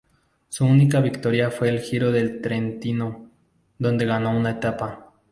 Su única victoria fue en el Giro del Trentino, donde ganó una etapa.